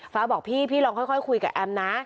บอกพี่พี่ลองค่อยคุยกับแอมนะ